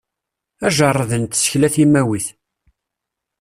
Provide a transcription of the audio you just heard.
Ajerreḍ n tsekla timawit.